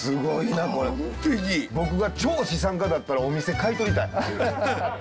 僕が超資産家だったらお店買い取りたい。